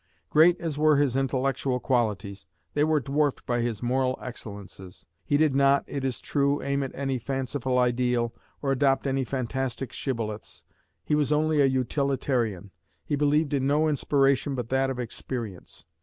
Great as were his intellectual qualities, they were dwarfed by his moral excellences. He did not, it is true, aim at any fanciful ideal, or adopt any fantastic shibboleths. He was only a utilitarian. He believed in no inspiration but that of experience.